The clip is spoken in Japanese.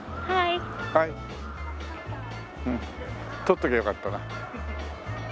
撮っときゃよかったな。